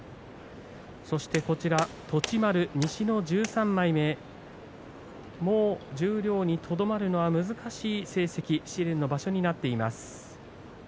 そして栃丸西の１３枚目もう十両にとどまるのは難しい成績試練の場所になっています。